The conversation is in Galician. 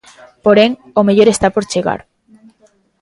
Porén, o mellor está por chegar.